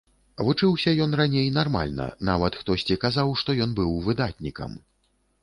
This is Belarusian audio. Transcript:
Вучыўся ён раней нармальна, нават хтосьці казаў, што ён быў выдатнікам.